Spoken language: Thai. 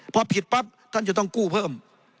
พอผิดปั๊บท่านจะต้องกู้เพิ่ม